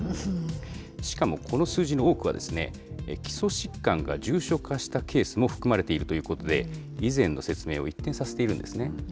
しかもこの数字の多くは、基礎疾患が重症化したケースも含まれているということで、以前の説明を一転させているんですね。